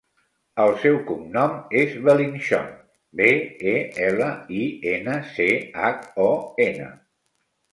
El seu cognom és Belinchon: be, e, ela, i, ena, ce, hac, o, ena.